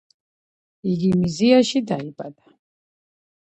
იგი მიზიაში დაიბადა.